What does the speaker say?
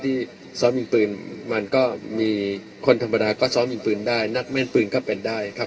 ซ้อมยิงปืนมันก็มีคนธรรมดาก็ซ้อมยิงปืนได้นักแม่นปืนก็เป็นได้ครับ